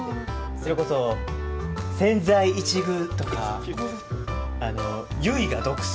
それこそ千載一遇とか、唯我独尊